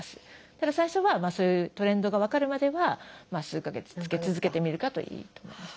ただ最初はそういうトレンドが分かるまでは数か月つけ続けてみるかといいと思います。